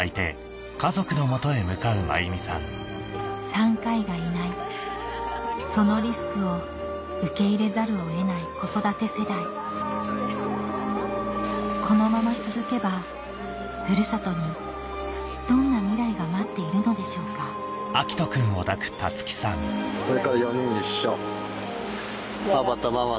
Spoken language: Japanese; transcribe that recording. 産科医がいないそのリスクを受け入れざるを得ない子育て世代このまま続けばふるさとにどんな未来が待っているのでしょうかねっ。